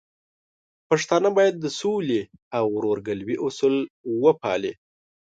پښتانه بايد د سولې او ورورګلوي اصول وپالي.